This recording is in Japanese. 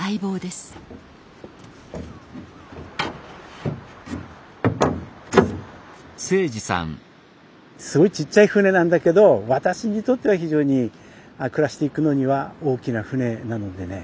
すごいちっちゃい船なんだけど私にとっては非常に暮らしていくのには大きな船なのでね。